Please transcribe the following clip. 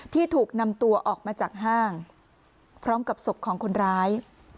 ที่ถูกนำตัวออกมาจากห้างพร้อมกับศพของคนร้าย